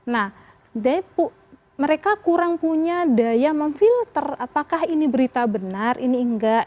nah mereka kurang punya daya memfilter apakah ini berita benar ini enggak